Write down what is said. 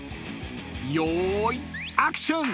［よーいアクション！］